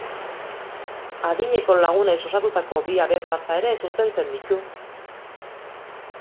Adineko lagunez osatutako bi abesbatza ere zuzentzen ditu.